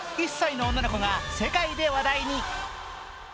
１歳の女の子が世界で話題に。